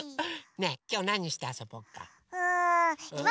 ねえきょうなにしてあそぼうか？